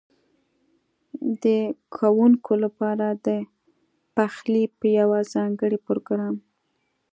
ده کوونکو لپاره د پخلي په یوه ځانګړي پروګرام